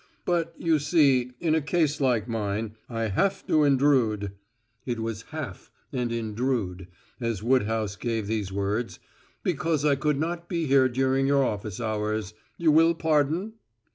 "But, you see, in a case like mine I have to intrude" it was "haf" and "indrude" as Woodhouse gave these words "because I could not be here during your office hours. You will pardon?"